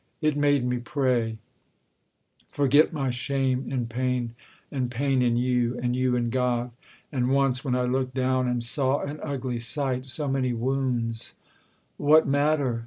It made me pray; Forget my shame in pain, and pain in you, And you in God: and once, when I looked down, And saw an ugly sight so many wounds! 'What matter?'